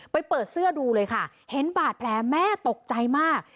เปิดเสื้อดูเลยค่ะเห็นบาดแผลแม่ตกใจมาก